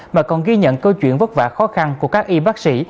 mà còn ghi nhận câu chuyện vất vả khó khăn của các y bác sĩ